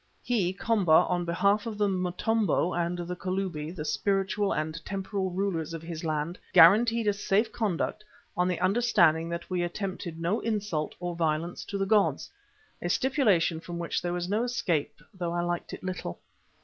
He, Komba, on behalf of the Motombo and the Kalubi, the spiritual and temporal rulers of his land, guaranteed us safe conduct on the understanding that we attempted no insult or violence to the gods, a stipulation from which there was no escape, though I liked it little.